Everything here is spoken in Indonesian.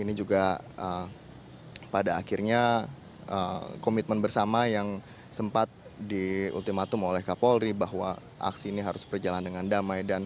ini juga pada akhirnya komitmen bersama yang sempat di ultimaturu maulai kapolri bahwa